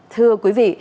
thưa quý vị